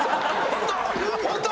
本当？